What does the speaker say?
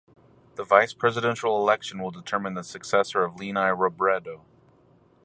The vice presidential election will determine the successor of Leni Robredo.